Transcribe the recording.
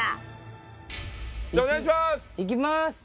じゃあお願いします！